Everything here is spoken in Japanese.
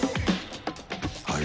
あれ？